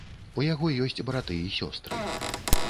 У яго ёсць браты і сёстры.